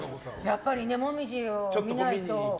やっぱり、もみじを見ないと。